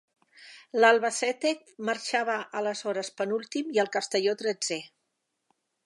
L'Albacete marxava aleshores penúltim i el Castelló tretzè.